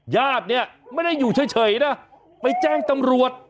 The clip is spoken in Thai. ญาติเนี่ยไม่ได้อยู่เฉยนะไปแจ้งตำรวจ